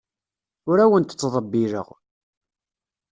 Ur awent-ttḍebbileɣ.